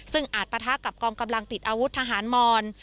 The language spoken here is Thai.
ซึ่งอาจปะทะกับกองกำลังติดอาวุธทหารมอน